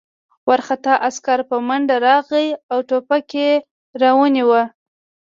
وارخطا عسکر په منډه راغی او ټوپک یې را ونیاوه